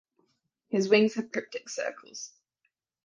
His wings have cryptic circles.